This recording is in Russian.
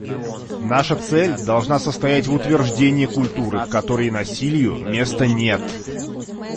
Наша цель должна состоять в утверждении культуры, в которой насилию места нет.